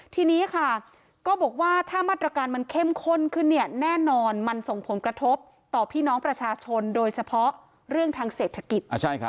ทีนี้ค่ะก็บอกว่าถ้ามาตรการมันเข้มข้นขึ้นเนี่ยแน่นอนมันส่งผลกระทบต่อพี่น้องประชาชนโดยเฉพาะเรื่องทางเศรษฐกิจ